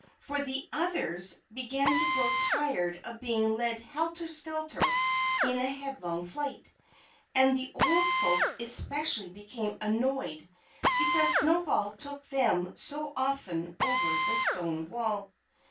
For the others began to grow tired of being led helter skelter in a headlong flight. And the old folks especially became annoyed because Snowball took them so often over the stone wall.